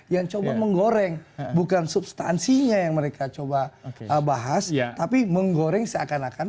yang coba menggoreng bukan substansinya yang mereka coba bahas tapi menggoreng seakan akan